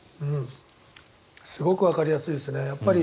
すごくわかりやすいですね。